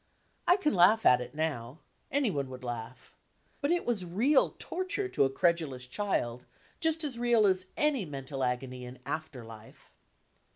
I can laugh at it now any one would laugh. But it was real torture to a credulous child, just as real as any mental agony in after life.